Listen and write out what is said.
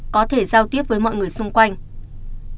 có thể giao tiếp với mọi người xung quanh